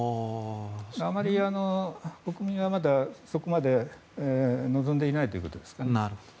あまり国民はまだそこまで望んでいないということですね。